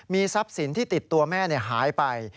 ทรัพย์สินที่ติดตัวแม่หายไป